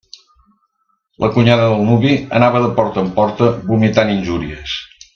La cunyada del nuvi anava de porta en porta vomitant injúries.